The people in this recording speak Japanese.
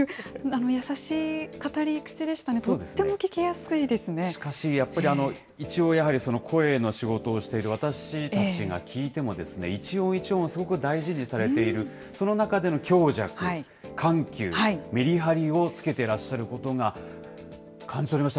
やさしい語り口でしたね、とってしかし、やっぱり一応、やはり声の仕事をしている私たちが聞いてもですね、一音一音をすごく大事にされている、その中での強弱、緩急、めりはりをつけてらっしゃることが感じ取れました。